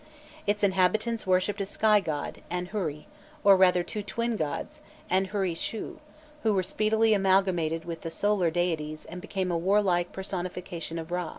Its inhabitants worshipped a sky god, Anhûri, or rather two twin gods, Anhûri Shû, who were speedily amalgamated with the solar deities and became a warlike personification of Râ.